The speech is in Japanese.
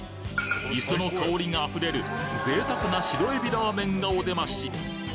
磯の香りが溢れる贅沢な白エビらーめんがおでまし！